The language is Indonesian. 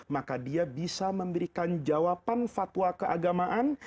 maka dia bisa memberikan jawaban fatwa keagamaan